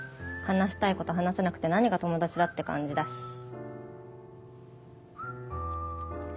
話したいこと話せなくて何が友達だって感じだし。